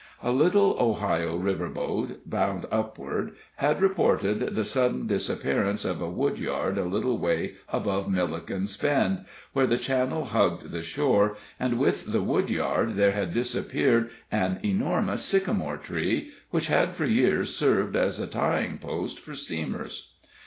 A little Ohio river boat, bound upward, had reported the sudden disappearance of a woodyard a little way above Milliken's Bend, where the channel hugged the shore, and with the woodyard there had disappeared an enormous sycamore tree, which had for years served as a tying post for steamers.